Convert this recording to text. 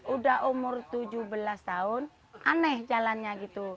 udah umur tujuh belas tahun aneh jalannya gitu